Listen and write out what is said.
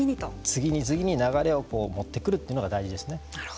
次に次に流れを持ってくるというのが大事ですね。